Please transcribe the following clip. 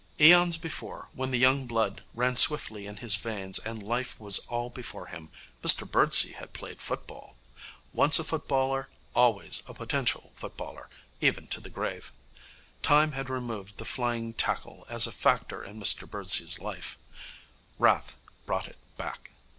Aeons before, when the young blood ran swiftly in his veins and life was all before him, Mr Birdsey had played football. Once a footballer, always a potential footballer, even to the grave. Time had removed the flying tackle as a factor in Mr Birdsey's life. Wrath brought it back.